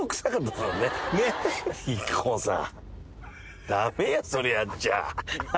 ＩＫＫＯさん。